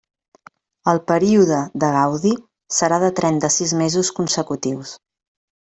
El període de gaudi serà de trenta-sis mesos consecutius.